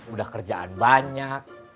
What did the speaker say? udah kerjaan banyak